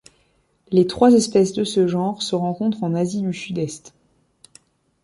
Les trois espèces de ce genre se rencontrent en Asie du Sud-Est.